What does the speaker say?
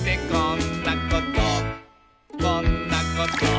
「こんなこと」